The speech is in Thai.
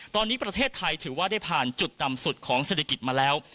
ตอนนี้ประเทศไทยถือว่าได้ผ่านจุดต่ำสุดของเศรษฐกิจมาแล้ว